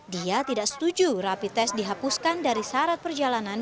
dia tidak setuju rapi tes dihapuskan dari syarat perjalanan